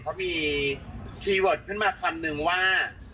เขามีคีย์เวิร์ดขึ้นมาคำนึงว่า